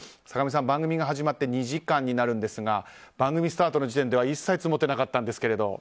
坂上さん、番組が始まって２時間になりますが番組スタートの時点では一切積もってなかったんですけれど。